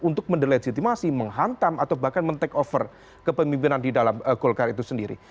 untuk mendelegitimasi menghantam atau bahkan men take over kepemimpinan di dalam golkar itu sendiri